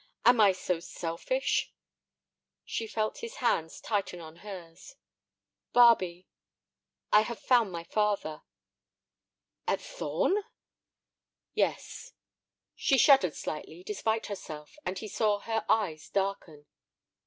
Am I so selfish?" She felt his hands tighten on hers. "Barbe, I have found my father." "At Thorn?" "Yes." She shuddered slightly, despite herself, and he saw her eyes darken.